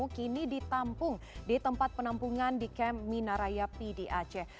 kini ditampung di tempat penampungan di kem minaraya pdi aceh